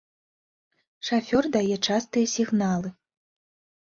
Шафёр дае частыя сігналы.